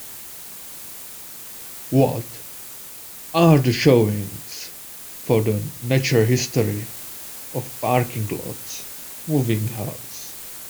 What Are the showings for The Natural History of Parking Lots movie house